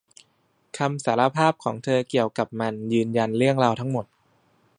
คำสารภาพของเธอเกี่ยวกับมันยืนยันเรื่องราวทั้งหมด